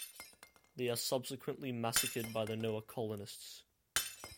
They are subsequently massacred by the Noah colonists.